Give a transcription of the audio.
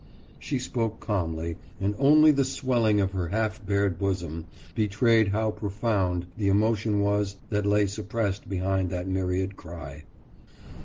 « She spoke calmly, and only the swelling of her half bared bosom betrayed how profound the emotion was that lay suppressed behind that myriad cry.